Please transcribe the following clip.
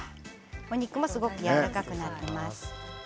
お肉もすごくやわらかくなっています。